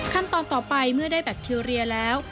ขั้นตอนต่อไปเมื่อได้แบคทีเรียแล้ว